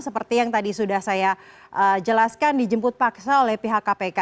seperti yang tadi sudah saya jelaskan dijemput paksa oleh pihak kpk